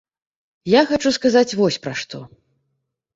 Я хачу сказаць вось пра што.